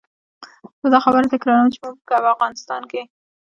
زه دا خبره تکراروم چې موږ په افغانستان کې.